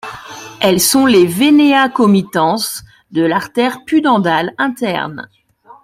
Elles sont les venea comitans de l'artère pudendale interne.